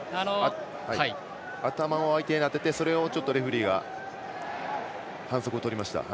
頭を相手に当ててそれをちょっとレフリーが反則をとりました。